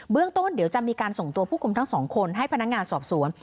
เรื่องต้นเดี๋ยวจะมีการส่งตัวผู้คุมทั้งสองคนให้พนักงานสอบสวน